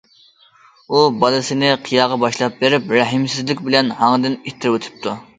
ئۇ بالىسىنى قىياغا باشلاپ بېرىپ، رەھىمسىزلىك بىلەن ھاڭدىن ئىتتىرىۋېتىپتۇ.